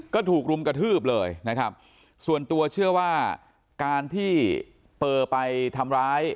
ก็ถูกรุมกระทืบเลยนะครับส่วนตัวเชื่อว่าการที่เปอร์ไปทำร้าย